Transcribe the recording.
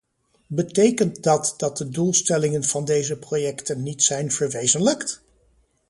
Betekent dat dat de doelstellingen van deze projecten niet zijn verwezenlijkt?